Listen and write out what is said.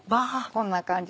こんな感じ。